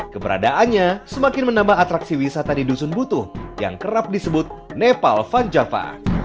keberadaannya semakin menambah atraksi wisata di dusun butuh yang kerap disebut nepal van java